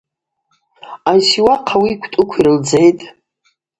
Ансиуахъ ауи йквтӏуква йрылдзгӏитӏ.